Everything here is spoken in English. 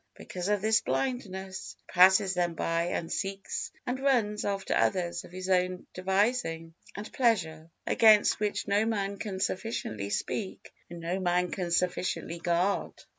because of his blindness, he passes them by and seeks and runs after others of his own devising and pleasure, against which no man can sufficiently speak and no man can sufficiently guard.